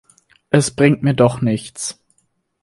Es bringt mir doch nichts?